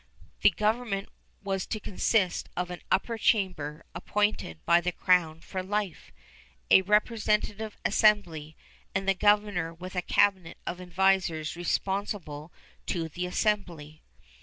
The government was to consist of an Upper Chamber appointed by the Crown for life, a representative assembly, and the governor with a cabinet of advisers responsible to the assembly.